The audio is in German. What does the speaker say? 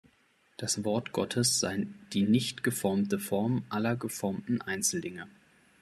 Das Wort Gottes sei die nicht geformte Form aller geformten Einzeldinge.